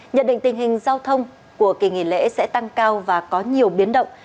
nhận định tình hình giao thông của kỳ nghỉ lễ sẽ tăng cao và có nhiều biến động